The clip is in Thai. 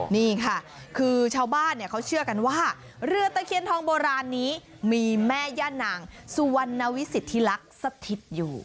นี่ค่ะคือชาวบ้านเขาเชื่อกันว่าเรือตะเคียนทองโบราณนี้มีแม่ย่านางสุวรรณวิสิทธิลักษณ์สถิตอยู่